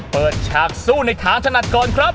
เปิดฉากสู้ในทางถนัดก่อนครับ